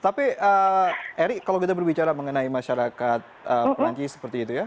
tapi erik kalau kita berbicara mengenai masyarakat perancis seperti itu ya